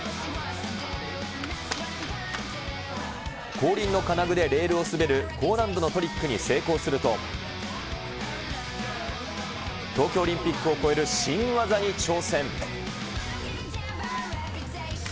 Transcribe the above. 後輪の金具でレールを滑る高難度のトリックに成功すると、東京オリンピックを超える新技に挑戦。